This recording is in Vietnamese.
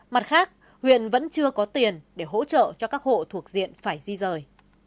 mặt khác huyện vẫn chưa có tiền để hỗ trợ cho các hộ thuộc diện phải di rời